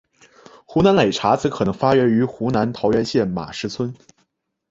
湖南擂茶则可能发源于湖南桃源县马石村。